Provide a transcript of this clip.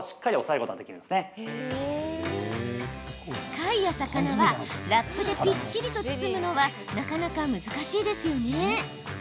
貝や魚はラップでぴっちりと包むのはなかなか難しいですよね。